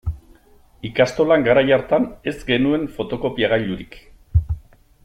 Ikastolan garai hartan ez genuen fotokopiagailurik.